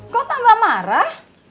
kok tambah marah